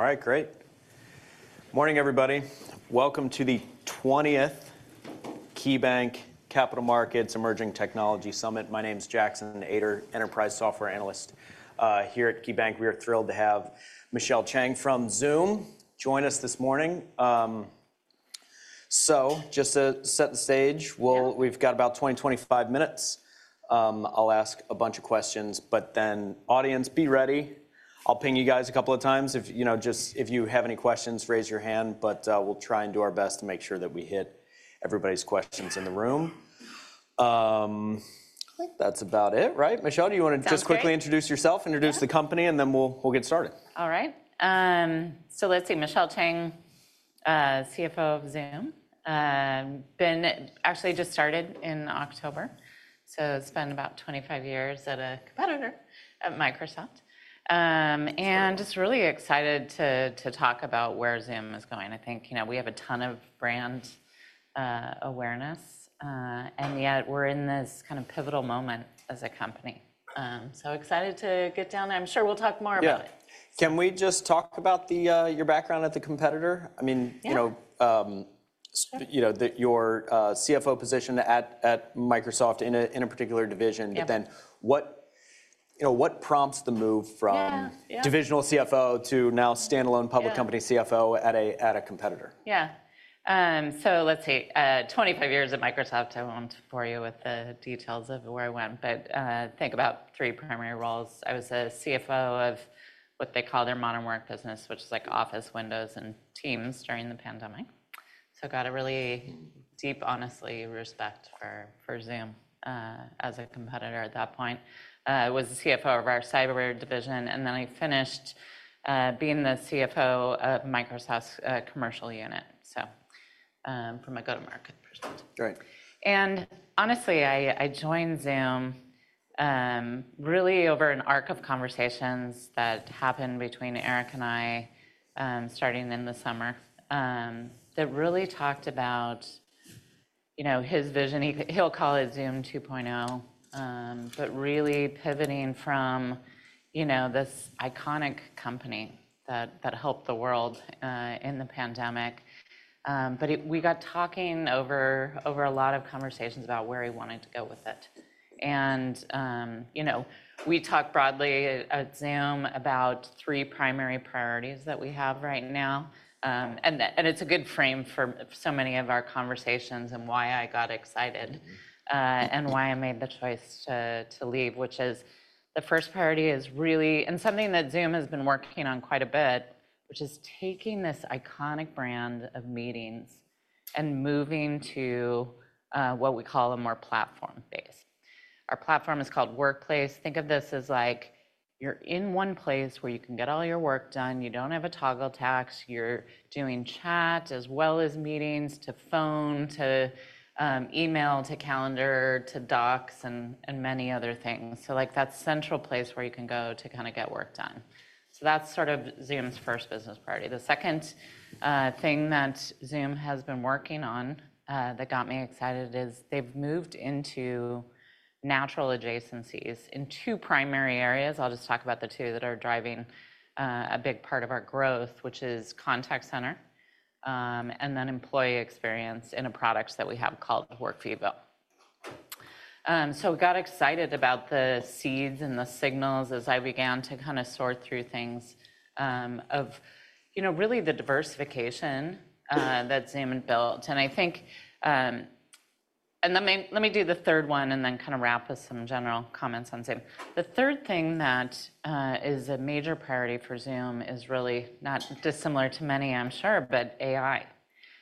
All right, great. Morning, everybody. Welcome to the 20th KeyBanc Capital Markets Emerging Technology Summit. My name is Jackson Ader, Enterprise Software Analyst here at KeyBank. We are thrilled to have Michelle Chang from Zoom join us this morning. So just to set the stage, we've got about 20-25 minutes. I'll ask a bunch of questions, but then audience, be ready. I'll ping you guys a couple of times. If you have any questions, raise your hand, but we'll try and do our best to make sure that we hit everybody's questions in the room. I think that's about it, right? Michelle, do you want to just quickly introduce yourself, introduce the company, and then we'll get started? All right, so let's see. Michelle Chang, CFO of Zoom, actually just started in October, so it's been about 25 years at a competitor, Microsoft, and just really excited to talk about where Zoom is going. I think we have a ton of brand awareness, and yet we're in this kind of pivotal moment as a company, so excited to get down there. I'm sure we'll talk more about it. Can we just talk about your background at the competitor? I mean, your CFO position at Microsoft in a particular division, but then what prompts the move from divisional CFO to now standalone public company CFO at a competitor? Yeah. So let's see. 25 years at Microsoft, I won't bore you with the details of where I went, but think about three primary roles. I was a CFO of what they call their Modern Work business, which is like Office, Windows, and Teams during the pandemic. So got a really deep, honestly respect for Zoom as a competitor at that point. I was the CFO of our Cyber Division, and then I finished being the CFO of Microsoft's commercial unit, so from a go-to-market perspective. And honestly, I joined Zoom really over an arc of conversations that happened between Eric and I starting in the summer that really talked about his vision. He'll call it Zoom 2.0, but really pivoting from this iconic company that helped the world in the pandemic. But we got talking over a lot of conversations about where he wanted to go with it. We talked broadly at Zoom about three primary priorities that we have right now. It's a good frame for so many of our conversations and why I got excited and why I made the choice to leave, which is the first priority is really, and something that Zoom has been working on quite a bit, which is taking this iconic brand of meetings and moving to what we call a more platform-based. Our platform is called Workplace. Think of this as like you're in one place where you can get all your work done. You don't have to toggle tasks. You're doing chat as well as meetings to phone, to email, to calendar, to docs, and many other things. So that's a central place where you can go to kind of get work done. That's sort of Zoom's first business priority. The second thing that Zoom has been working on that got me excited is they've moved into natural adjacencies in two primary areas. I'll just talk about the two that are driving a big part of our growth, which is Contact Center and then employee experience in a product that we have called Workvivo. So I got excited about the seeds and the signals as I began to kind of sort through things of really the diversification that Zoom built. And I think, and let me do the third one and then kind of wrap with some general comments on Zoom. The third thing that is a major priority for Zoom is really not dissimilar to many, I'm sure, but AI.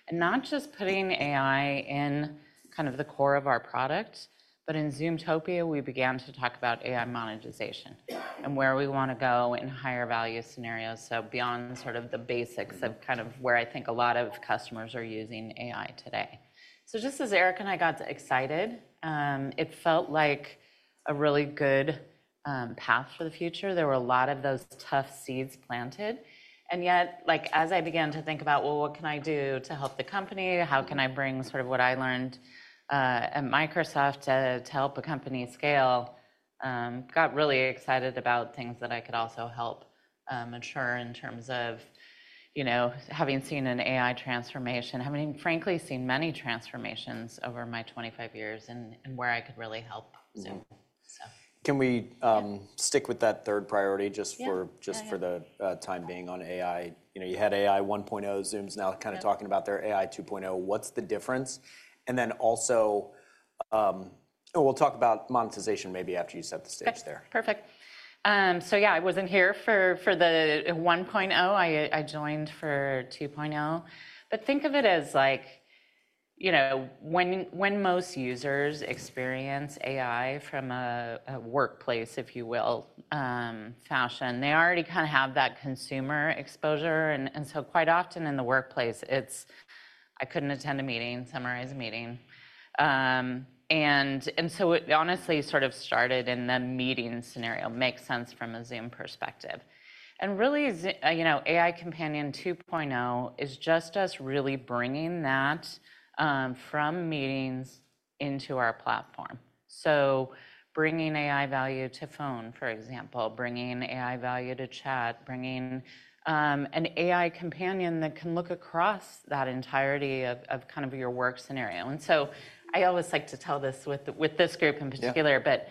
And not just putting AI in kind of the core of our product, but in Zoomtopia, we began to talk about AI monetization and where we want to go in higher value scenarios. So beyond sort of the basics of kind of where I think a lot of customers are using AI today. So just as Eric and I got excited, it felt like a really good path for the future. There were a lot of those tough seeds planted. And yet, as I began to think about, well, what can I do to help the company? How can I bring sort of what I learned at Microsoft to help a company scale? Got really excited about things that I could also help mature in terms of having seen an AI transformation, having frankly seen many transformations over my 25 years and where I could really help Zoom. Can we stick with that third priority just for the time being on AI? You had AI 1.0, Zoom's now kind of talking about their AI 2.0. What's the difference? And then also, we'll talk about monetization maybe after you set the stage there. Perfect. So yeah, I wasn't here for the 1.0. I joined for 2.0, but think of it as when most users experience AI from a workplace, if you will, fashion, they already kind of have that consumer exposure, and so quite often in the workplace, it's, I couldn't attend a meeting, summarize a meeting, and so it honestly sort of started in the meeting scenario, makes sense from a Zoom perspective, and really, AI Companion 2.0 is just us really bringing that from meetings into our platform, so bringing AI value to phone, for example, bringing AI value to chat, bringing an AI companion that can look across that entirety of kind of your work scenario, and so I always like to tell this with this group in particular, but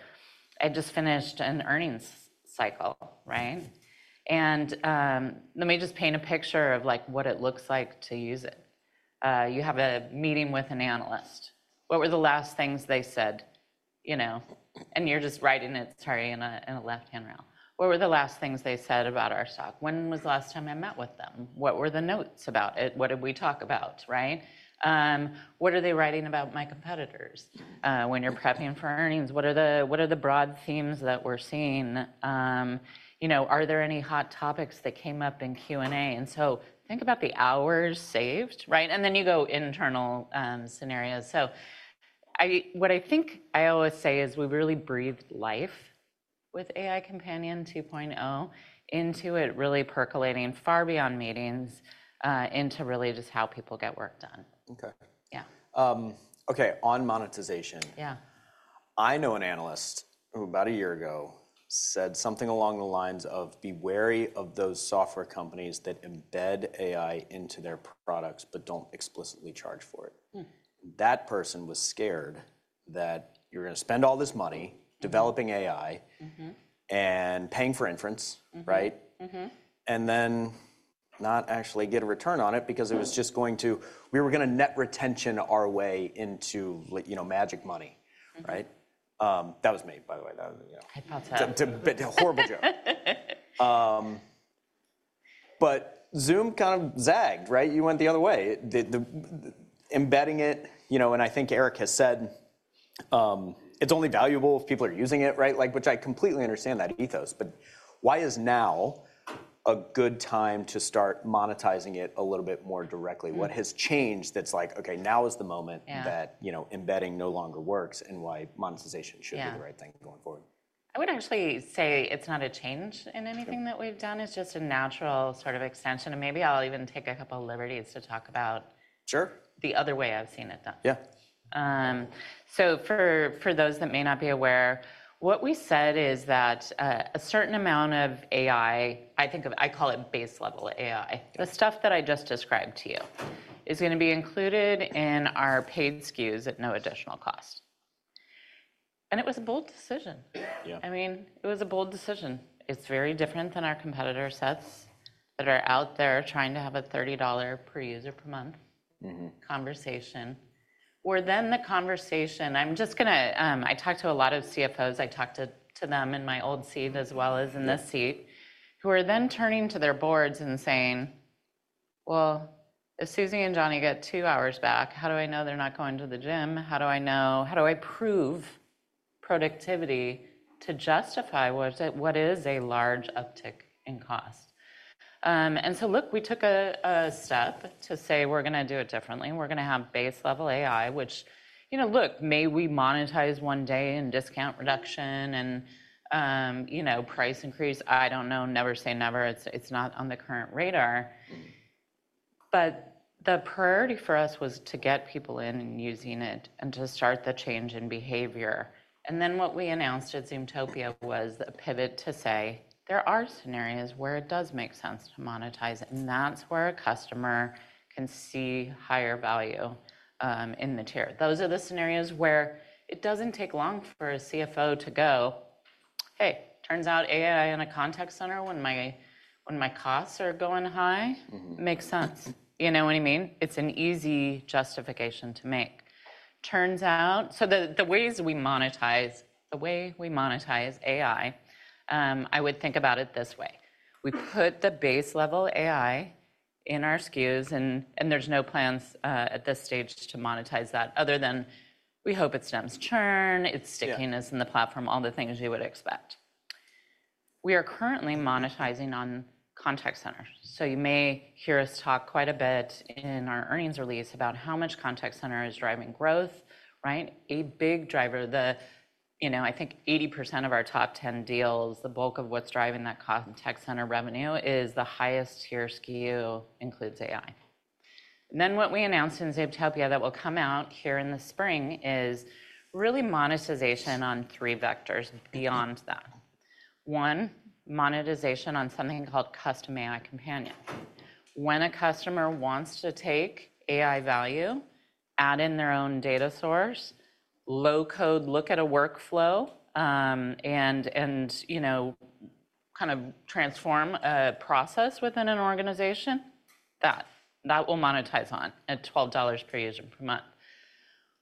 I just finished an earnings cycle, right? Let me just paint a picture of what it looks like to use it. You have a meeting with an analyst. What were the last things they said? You're just writing it, sorry, in a left-hand rail. What were the last things they said about our stock? When was the last time I met with them? What were the notes about it? What did we talk about? What are they writing about my competitors? When you're prepping for earnings, what are the broad themes that we're seeing? Are there any hot topics that came up in Q&A? Think about the hours saved, right? You go internal scenarios. What I think I always say is we really breathed life with AI Companion 2.0 into it really percolating far beyond meetings into really just how people get work done. Okay. Okay, on monetization. I know an analyst who about a year ago said something along the lines of, be wary of those software companies that embed AI into their products, but don't explicitly charge for it. That person was scared that you're going to spend all this money developing AI and paying for inference, right? And then not actually get a return on it because it was just going to, we were going to net retention our way into magic money, right? That was me, by the way. I apologize. Horrible joke, but Zoom kind of zagged, right? You went the other way. Embedding it, and I think Eric has said it's only valuable if people are using it, right? Which I completely understand that ethos, but why is now a good time to start monetizing it a little bit more directly? What has changed that's like, okay, now is the moment that embedding no longer works and why monetization should be the right thing going forward? I would actually say it's not a change in anything that we've done. It's just a natural sort of extension, and maybe I'll even take a couple of liberties to talk about the other way I've seen it done. Yeah. So, for those that may not be aware, what we said is that a certain amount of AI, I think of, I call it base-level AI, the stuff that I just described to you is going to be included in our paid SKUs at no additional cost. And it was a bold decision. I mean, it was a bold decision. It's very different than our competitor sets that are out there trying to have a $30 per user per month conversation, where then the conversation, I'm just going to, I talked to a lot of CFOs. I talked to them in my old seat as well as in this seat, who are then turning to their boards and saying, well, if Susie and Johnny get two hours back, how do I know they're not going to the gym? How do I know? How do I prove productivity to justify what is a large uptick in cost? And so look, we took a step to say we're going to do it differently. We're going to have base-level AI, which look, maybe we monetize one day and discount reduction and price increase? I don't know. Never say never. It's not on the current radar. But the priority for us was to get people in and using it and to start the change in behavior. And then what we announced at Zoomtopia was a pivot to say there are scenarios where it does make sense to monetize. And that's where a customer can see higher value in the tier. Those are the scenarios where it doesn't take long for a CFO to go, hey, turns out AI in a Contact Center when my costs are going high, makes sense. You know what I mean? It's an easy justification to make. Turns out, so the ways we monetize, the way we monetize AI, I would think about it this way. We put the base-level AI in our SKUs and there's no plans at this stage to monetize that other than we hope it stems churn, it's stickiness in the platform, all the things you would expect. We are currently monetizing on Contact Centers so you may hear us talk quite a bit in our earnings release about how much Contact Center is driving growth, right? A big driver, I think 80% of our top 10 deals, the bulk of what's driving that cost. Contact Center revenue is the highest tier SKU includes AI and then what we announced in Zoomtopia that will come out here in the spring is really monetization on three vectors beyond that. One, monetization on something called Custom AI Companion. When a customer wants to take AI value, add in their own data source, low code, look at a workflow, and kind of transform a process within an organization, that will monetize on at $12 per user per month.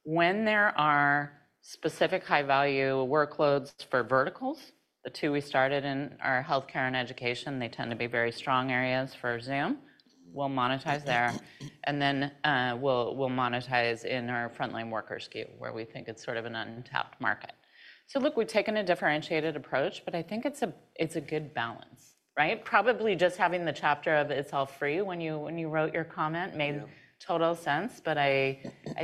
When there are specific high-value workloads for verticals, the two we started in our Healthcare and Education, they tend to be very strong areas for Zoom, we'll monetize there, and then we'll monetize in our Frontline worker SKU where we think it's sort of an untapped market, so look, we've taken a differentiated approach, but I think it's a good balance, right? Probably just having the chatter of it's all free when you wrote your comment made total sense, but I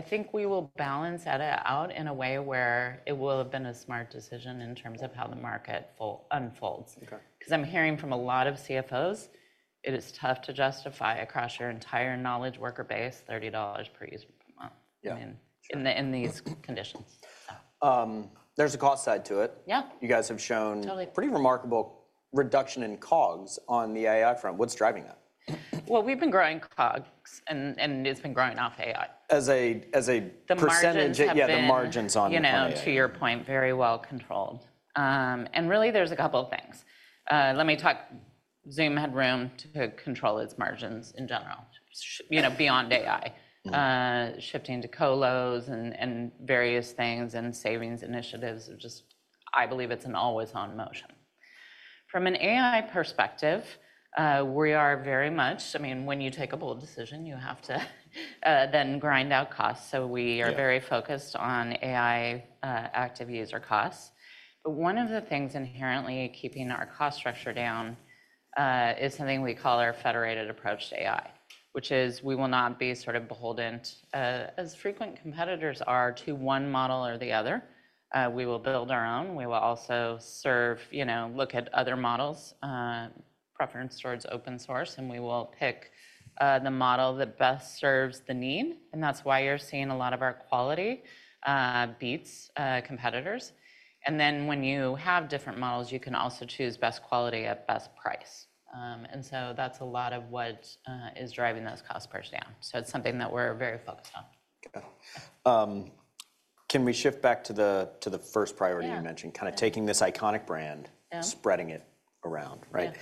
think we will balance it out in a way where it will have been a smart decision in terms of how the market unfolds. Because I'm hearing from a lot of CFOs, it is tough to justify across your entire knowledge worker base, $30 per user per month in these conditions. There's a cost side to it. You guys have shown pretty remarkable reduction in COGS on the AI front. What's driving that? We've been growing COGS and it's been growing off AI. As a percentage, yeah, the margins on the COGS. To your point, very well controlled, and really there's a couple of things. Let me talk. Zoom had room to control its margins in general, beyond AI, shifting to colos and various things and savings initiatives. Just, I believe it's an always on motion. From an AI perspective, we are very much, I mean, when you take a bold decision, you have to then grind out costs, so we are very focused on AI active user costs, but one of the things inherently keeping our cost structure down is something we call our federated approach to AI, which is we will not be sort of beholden as frequent competitors are to one model or the other. We will build our own. We will also source, look at other models, preference towards open source, and we will pick the model that best serves the need. And that's why you're seeing a lot of our quality beats competitors. And then when you have different models, you can also choose best quality at best price. And so that's a lot of what is driving those cost bursts down. So it's something that we're very focused on. Can we shift back to the first priority you mentioned, kind of taking this iconic brand, spreading it around, right?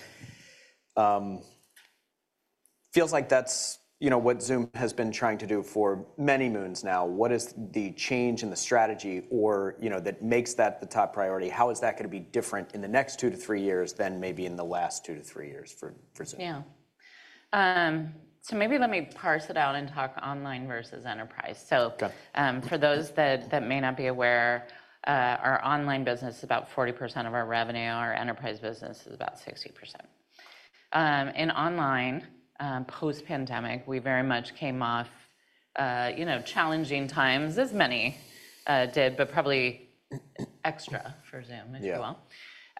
Feels like that's what Zoom has been trying to do for many moons now. What is the change in the strategy or that makes that the top priority? How is that going to be different in the next two to three years than maybe in the last two to three years for Zoom? Yeah. So maybe let me parse it out and talk online versus enterprise. So for those that may not be aware, our online business is about 40% of our revenue. Our enterprise business is about 60%. In online, post-pandemic, we very much came off challenging times as many did, but probably extra for Zoom, if you will,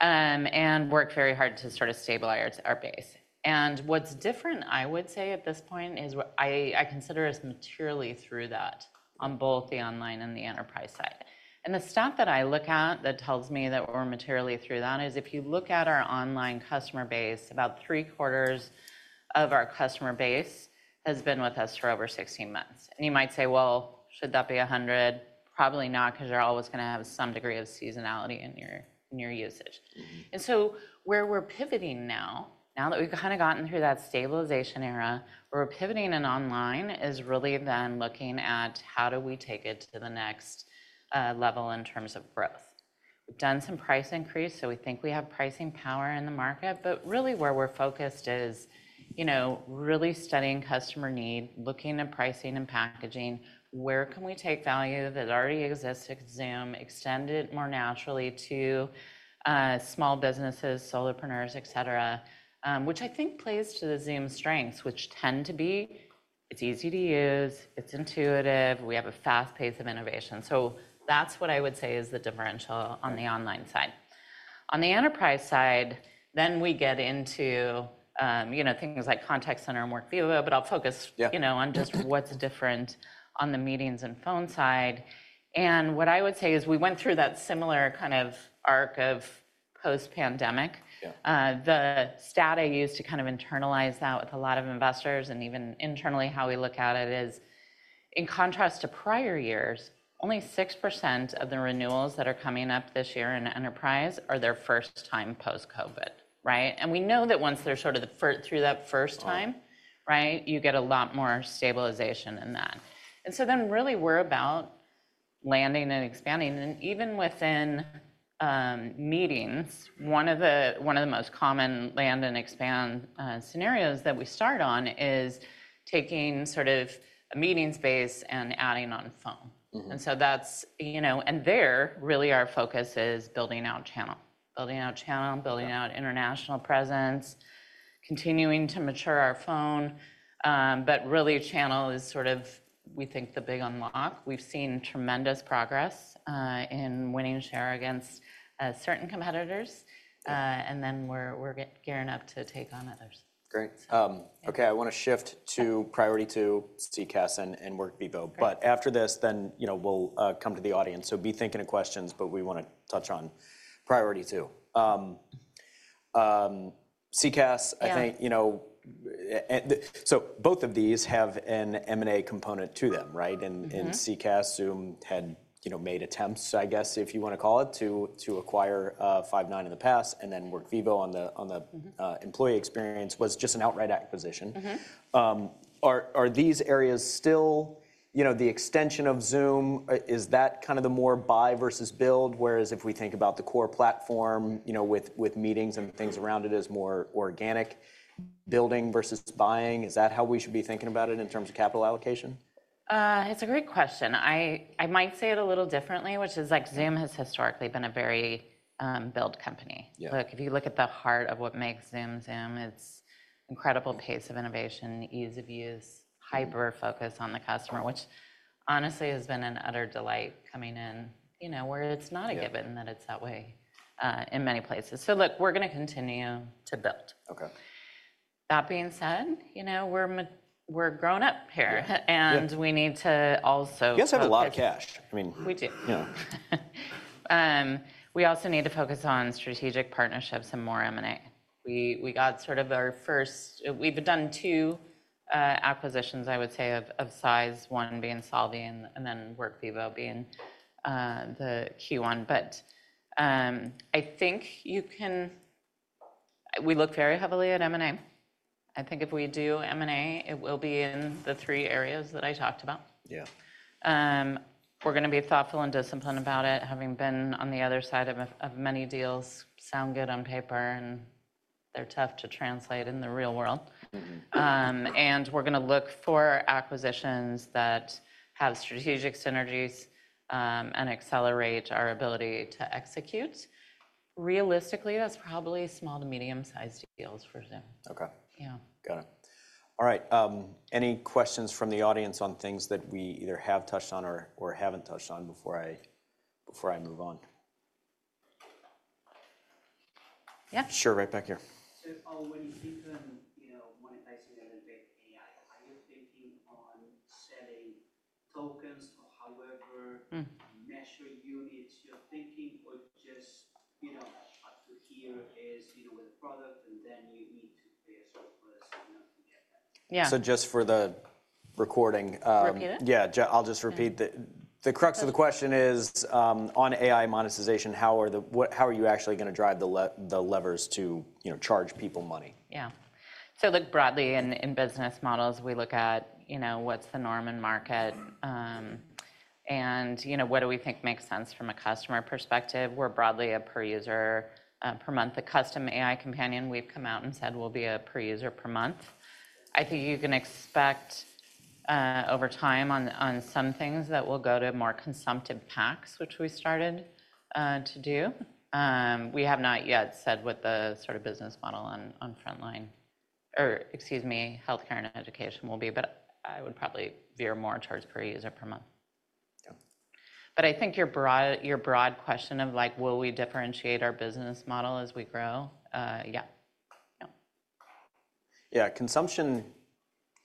and worked very hard to sort of stabilize our base. And what's different, I would say at this point, is I consider us materially through that on both the online and the enterprise side. And the stat that I look at that tells me that we're materially through that is if you look at our online customer base, about three quarters of our customer base has been with us for over 16 months. And you might say, well, should that be 100? Probably not, because you're always going to have some degree of seasonality in your usage, and so where we're pivoting now, now that we've kind of gotten through that stabilization era, where we're pivoting online is really then looking at how do we take it to the next level in terms of growth. We've done some price increase, so we think we have pricing power in the market, but really where we're focused is really studying customer need, looking at pricing and packaging, where can we take value that already exists at Zoom, extend it more naturally to small businesses, solopreneurs, et cetera, which I think plays to the Zoom strengths, which tend to be, it's easy to use, it's intuitive, we have a fast pace of innovation, so that's what I would say is the differential on the online side. On the enterprise side, then we get into things like Contact Center and Workvivo, but I'll focus on just what's different on the meetings and phone side. And what I would say is we went through that similar kind of arc of post-pandemic. The stat I used to kind of internalize that with a lot of investors and even internally how we look at it is in contrast to prior years, only 6% of the renewals that are coming up this year in enterprise are their first time post-COVID, right? And we know that once they're sort of through that first time, you get a lot more stabilization in that. And so then really we're about landing and expanding. And even within meetings, one of the most common land and expand scenarios that we start on is taking sort of a meetings base and adding on phone. And so that's, and there really our focus is building out channel, building out international presence, continuing to mature our phone, but really channel is sort of, we think the big unlock. We've seen tremendous progress in winning share against certain competitors. And then we're gearing up to take on others. Great. Okay, I want to shift to priority two, CCaaS and Workvivo, but after this, then we'll come to the audience. So be thinking of questions, but we want to touch on priority two. CCaaS, I think, so both of these have an M&A component to them, right? And CCaaS, Zoom had made attempts, I guess, if you want to call it, to acquire Five9 in the past, and then Workvivo on the employee experience was just an outright acquisition. Are these areas still, the extension of Zoom, is that kind of the more buy versus build, whereas if we think about the core platform with meetings and things around it as more organic building versus buying, is that how we should be thinking about it in terms of capital allocation? It's a great question. I might say it a little differently, which is like Zoom has historically been a very built company. Look, if you look at the heart of what makes Zoom, Zoom, it's incredible pace of innovation, ease of use, hyper focus on the customer, which honestly has been an utter delight coming in where it's not a given that it's that way in many places. So look, we're going to continue to build. That being said, we're growing up here and we need to also. You guys have a lot of cash. We do. We also need to focus on strategic partnerships and more M&A. We got sort of our first. We've done two acquisitions, I would say, of size, one being Solvvy and then Workvivo being the key one. But I think you can. We look very heavily at M&A. I think if we do M&A, it will be in the three areas that I talked about. Yeah, we're going to be thoughtful and disciplined about it, having been on the other side of many deals. Sound good on paper, and they're tough to translate in the real world, and we're going to look for acquisitions that have strategic synergies and accelerate our ability to execute. Realistically, that's probably small to medium-sized deals for Zoom. Okay. Got it. All right. Any questions from the audience on things that we either have touched on or haven't touched on before I move on? Yeah. Sure, right back here. When you think on one of the big AI, are you thinking on setting tokens or however measure units you're thinking or just up to here is with a product and then you need to pay a certain price to get that? Yeah. So, just for the recording. Repeat it? Yeah, I'll just repeat the crux of the question is on AI monetization, how are you actually going to drive the levers to charge people money? Yeah. So look broadly in business models, we look at what's the norm in market and what do we think makes sense from a customer perspective. We're broadly a per user per month. The Custom AI Companion we've come out and said will be a per user per month. I think you can expect over time on some things that will go to more consumptive packs, which we started to do. We have not yet said what the sort of business model on Frontline or excuse me, Healthcare and Education will be, but I would probably veer more towards per user per month. But I think your broad question of like, will we differentiate our business model as we grow? Yeah. Yeah, consumption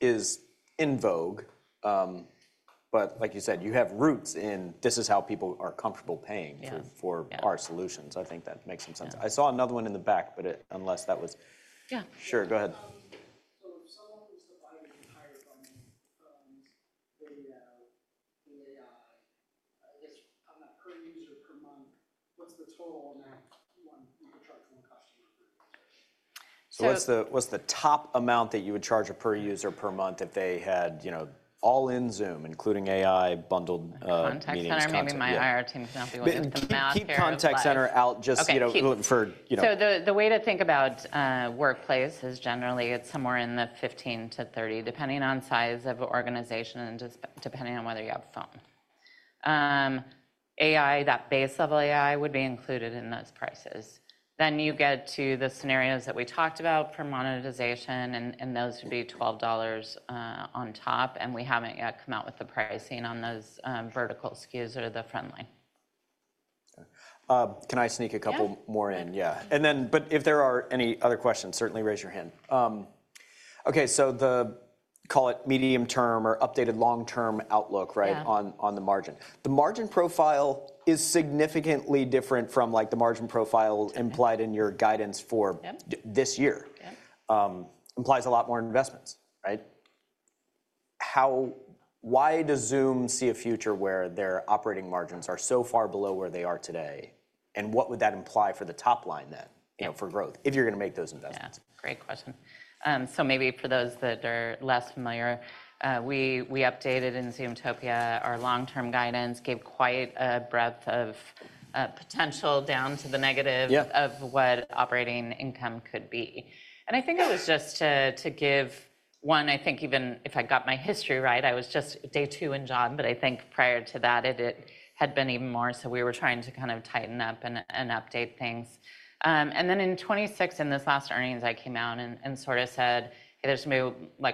is in vogue, but like you said, you have roots in this is how people are comfortable paying for our solutions. I think that makes some sense. I saw another one in the back, but unless that was. Yeah. Sure, go ahead. If someone was to buy an entire company laying out the AI, I guess on a per user per month, what's the total amount you would charge one customer per user? What's the top amount that you would charge per user per month if they had all in Zoom, including AI bundled? Contact Center. Maybe my IR team can help me with the math here. Keep Contact Center out, just for. So the way to think about Workplace is generally it's somewhere in the $15-$30, depending on size of organization and depending on whether you have phone. AI, that base-level AI would be included in those prices. Then you get to the scenarios that we talked about for monetization and those would be $12 on top and we haven't yet come out with the pricing on those vertical SKUs or the Frontline. Can I sneak a couple more in? Yeah. And then, but if there are any other questions, certainly raise your hand. Okay, so they call it medium-term or updated long-term outlook, right, on the margin. The margin profile is significantly different from like the margin profile implied in your guidance for this year. Implies a lot more investments, right? Why does Zoom see a future where their operating margins are so far below where they are today? And what would that imply for the top line then for growth if you are going to make those investments? Yeah, that's a great question. So maybe for those that are less familiar, we updated in Zoomtopia our long-term guidance, gave quite a breadth of potential down to the negative of what operating income could be. And I think it was just to give one, I think even if I got my history right, I was just day two in job, but I think prior to that it had been even more. So we were trying to kind of tighten up and update things. And then in 2026, in this last earnings, I came out and sort of said, there's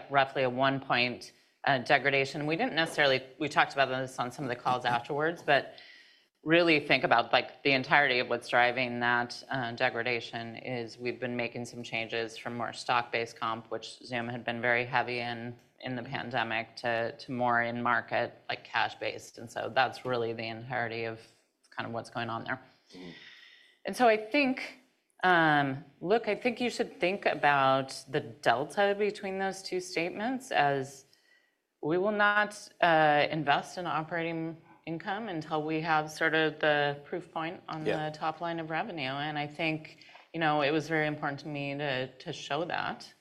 roughly a one point degradation. We didn't necessarily. We talked about this on some of the calls afterwards, but really think about the entirety of what's driving that degradation is we've been making some changes from more stock based comp, which Zoom had been very heavy in the pandemic to more in market like cash-based, and so that's really the entirety of kind of what's going on there, and so I think, look, I think you should think about the delta between those two statements as we will not invest in operating income until we have sort of the proof point on the top line of revenue, and I think it was very important to me to show that,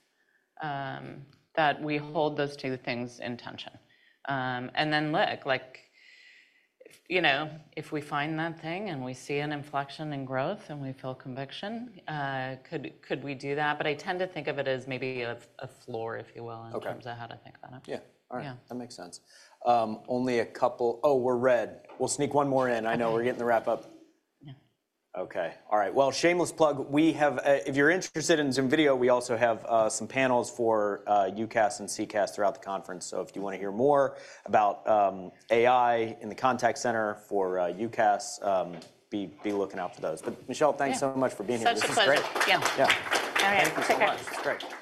that we hold those two things in tension, and then look, if we find that thing and we see an inflection in growth and we feel conviction, could we do that? But I tend to think of it as maybe a floor, if you will, in terms of how to think about it. Yeah, that makes sense. Only a couple, oh, we're red. We'll sneak one more in. I know we're getting the wrap up. Okay, all right. Well, shameless plug, if you're interested in Zoom video, we also have some panels for UCaaS and CCaaS throughout the conference. So if you want to hear more about AI in the Contact Center for UCaaS, be looking out for those. But Michelle, thanks so much for being here. Such a pleasure. Yeah. All right. Thank you so much. Great.